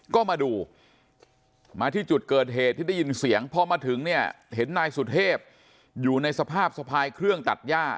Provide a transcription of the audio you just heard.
ก็มาดูมาที่จุดเกิดเหตุที่ได้ยินเสียงพอมาถึงเนี่ยเห็นนายสุเทพอยู่ในสภาพสะพายเครื่องตัดย่า